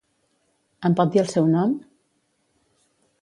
Em pot dir el seu nom?